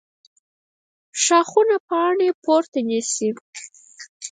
ښاخونه پاڼې پورته نیسي